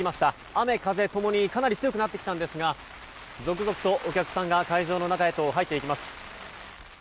雨風共にかなり強くなってきたんですが続々とお客さんが会場の中へと入っていきます。